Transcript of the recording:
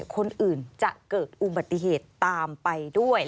คนอื่นจะเกิดอุบัติเหตุตามไปด้วย